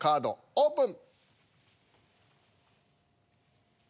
オープン！